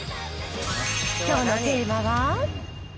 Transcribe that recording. きょうのテーマは？